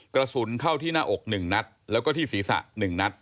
กระสุนเข้าที่หน้าอกหนึ่งนัดแล้วก็ที่ศีรษะหนึ่งนัด